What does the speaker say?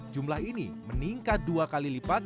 jumlah ini meningkat dua kali lipat